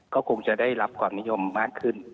ก็คงจะได้รับความนิยมมากขึ้น